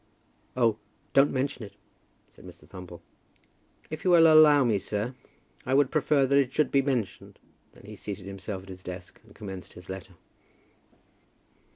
"Oh, don't mention it," said Mr. Thumble. "If you will allow me, sir, I would prefer that it should be mentioned." Then he seated himself at his desk, and commenced his letter.